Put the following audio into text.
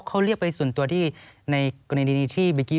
เขาเรียกไปส่วนตัวที่ในกรณีที่เมื่อกี้